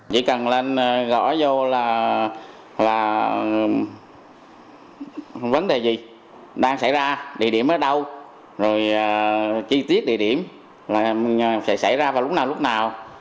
vấn đề gì đang xảy ra địa điểm ở đâu rồi chi tiết địa điểm sẽ xảy ra và lúc nào lúc nào